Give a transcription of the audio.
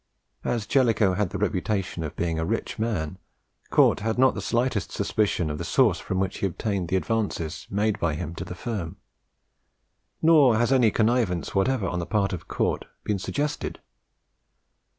As Jellicoe had the reputation of being a rich man, Cort had not the slightest suspicion of the source from which he obtained the advances made by him to the firm, nor has any connivance whatever on the part of Cort been suggested.